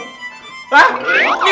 minyak kering meleduk